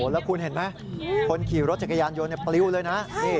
แล้วคุณเห็นไหมคนขี่รถจักรยานยนต์ปลิวเลยนะ